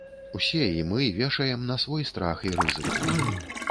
Усе, і мы, вешаем на свой страх і рызыку.